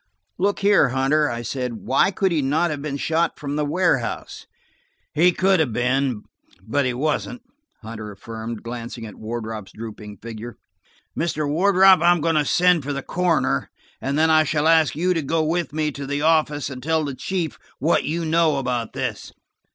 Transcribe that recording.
"Look here, Hunter," I said, "why could he not have been shot from the warehouse?" "He could have been–but he wasn't," Hunter affirmed, glancing at Wardrop's drooping figure. "Mr. Wardrop, I am going to send for the coroner, and then I shall ask you to go with me to the office and tell the chief what you know about this.